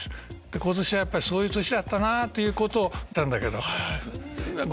今年はやっぱりそういう年だったなということを言ったんだけどごめん最初から。